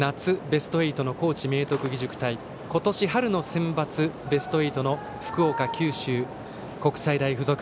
ベスト８の高知・明徳義塾対今年春のセンバツベスト８の福岡・九州国際大付属。